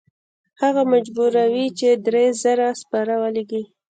هغوی مجبوروي چې درې زره سپاره ولیږي.